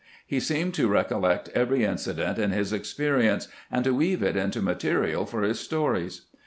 He seemed to recollect every incident in his ex perience and to weave it into material for his stories.